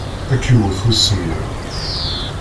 Ad k-yewwet usemmiḍ.